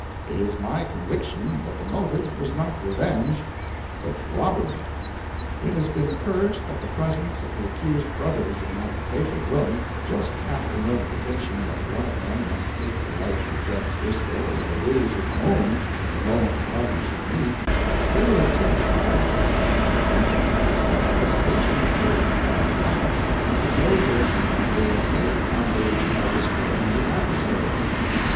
It is my conviction that the motive was not revenge, but robbery. It has been urged that the presence of the accused brothers in that fatal room, just after notification that one of them must take the life of Judge Driscoll or lose his own the moment the parties should meet, clearly signifies that the natural instinct of self preservation moved my clients to go there secretly and save Count Luigi by destroying his adversary.